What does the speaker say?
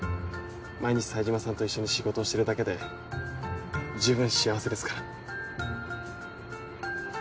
毎日冴島さんと一緒に仕事をしてるだけで十分幸せですから。